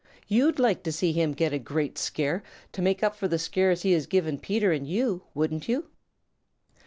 You'd like to see him get a great scare to make up for the scares he has given Peter and you, wouldn't you?"